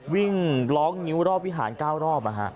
วิ่งร้องงิ้วรอบวิหาร๙รอบ